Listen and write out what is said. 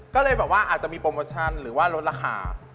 ก็เลยอาจจะมีโปรโมชั่นหรือว่ารดราคา